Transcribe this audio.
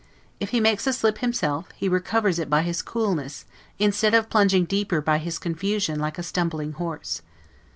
If he makes a slip himself, he recovers it by his coolness, instead of plunging deeper by his confusion like a stumbling horse.